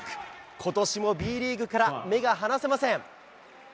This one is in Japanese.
ことしもＢリーグから目が離せません。